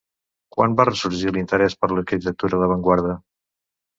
Quan va ressorgir l'interès per l'arquitectura d'avantguarda?